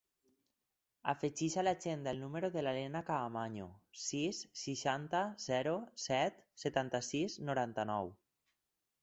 Afegeix a l'agenda el número de la Lena Caamaño: sis, seixanta, zero, set, setanta-sis, noranta-nou.